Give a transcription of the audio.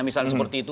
misalnya seperti itu